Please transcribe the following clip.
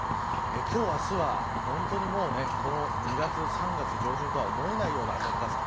今日、明日は本当に２月３月上旬とは思えないような暖かさ。